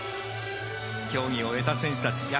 競技を終えた選手たち。